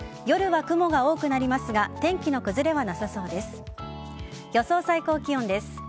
夜は雲が多くなりますが天気の崩れはなさそうです。